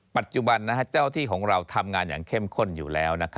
ปัจจุบันเจ้าที่ของเราทำงานอย่างเข้มข้นอยู่แล้ว